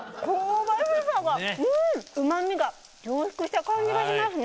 うま味が凝縮した感じがしますね。